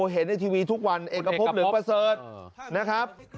เห็นในทีวีทุกวันเอกพบเหลืองประเสริฐนะครับ